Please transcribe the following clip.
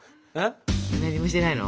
何もしてないの？